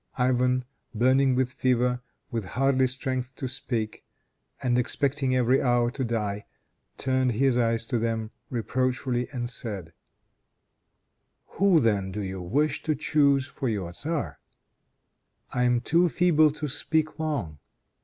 Ivan, burning with fever, with hardly strength to speak, and expecting every hour to die, turned his eyes to them reproachfully and said, "Who then do you wish to choose for your tzar? I am too feeble to speak long.